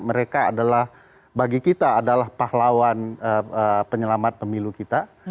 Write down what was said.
mereka adalah bagi kita adalah pahlawan penyelamat pemilu kita